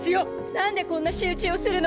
なんでこんな仕打ちをするの？